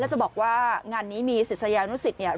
แล้วจะบอกว่างานนี้มีศิษยานุศิษย์